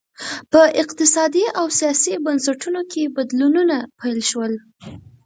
په اقتصادي او سیاسي بنسټونو کې بدلونونه پیل شول